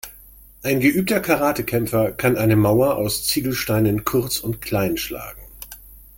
Ein geübter Karatekämpfer kann eine Mauer aus Ziegelsteinen kurz und klein schlagen.